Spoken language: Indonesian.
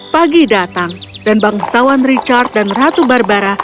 pagi datang dan bangsawan richard dan ratu barbara